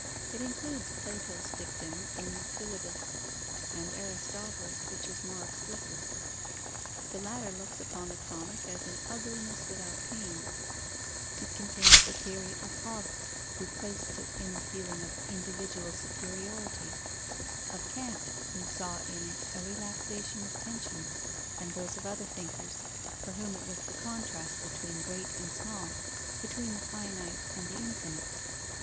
It includes Plato's dictum in the Philebus, and Aristotle's, which is more explicit. The latter looks upon the comic as an ugliness without pain. It contains the theory of Hobbes, who placed it in the feeling of individual superiority; of Kant, who saw in it a relaxation of tension; and those of other thinkers, for whom it was the contrast between great and small, between the finite and the infinite.